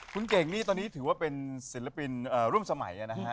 คุณเก่งนี่ตอนนี้ถือว่าเป็นศิลปินร่วมสมัยนะฮะ